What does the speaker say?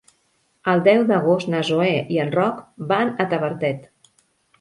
El deu d'agost na Zoè i en Roc van a Tavertet.